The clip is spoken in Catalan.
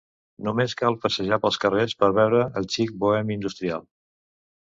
Només cal passejar pels carrers per veure el chic bohemi industrial.